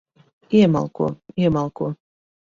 Iemalko. Iemalko.